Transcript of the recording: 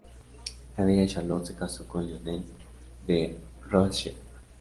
La bella Charlotte se casó con Lionel de Rothschild.